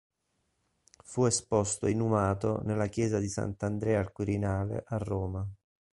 Fu esposto e inumato nella chiesa di Sant'Andrea al Quirinale a Roma.